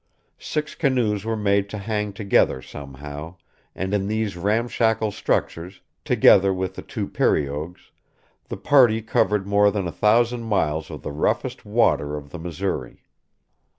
Six canoes were made to hang together somehow; and in these ramshackle structures, together with the two periogues, the party covered more than a thousand miles of the roughest water of the Missouri.